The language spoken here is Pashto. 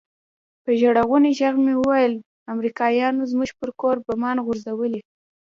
په ژړغوني ږغ مې وويل امريکايانو زموږ پر کور بمان غورځولي.